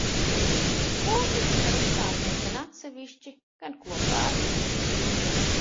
Komiķi var uzstāties gan atsevišķi, gan kopā ar citiem.